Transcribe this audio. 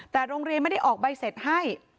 แต่โรงเรียนไม่ได้ออกใบเสร็จให้